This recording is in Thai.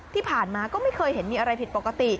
ที่ผ่านมาก็ไม่เคยเห็นมีอะไรผิดปกติ